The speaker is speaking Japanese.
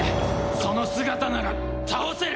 その姿なら倒せる！